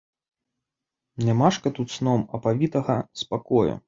Нямашака тут сном апавітага спакою.